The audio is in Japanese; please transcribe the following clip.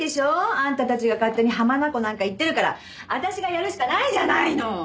あんたたちが勝手に浜名湖なんか行ってるから私がやるしかないじゃないの！